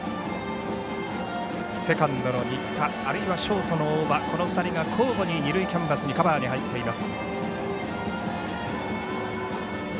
セカンドの新田あるいはショートの大場この２人が交互に二塁キャンバスにカバーに入っています。